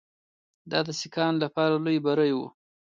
دا د سیکهانو لپاره لوی بری وو.